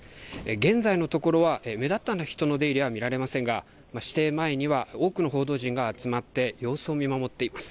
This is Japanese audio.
現在のところは目立った人の出入りは見られませんが私邸前には多くの報道陣が集まって様子を見守っています。